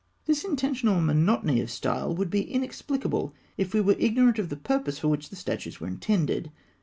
This intentional monotony of style would be inexplicable if we were ignorant of the purpose for which such statues were intended.